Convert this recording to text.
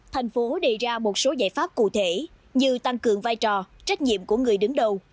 thành phố đề ra một số giải pháp cụ thể như tăng cường vai trò trách nhiệm của người đứng đầu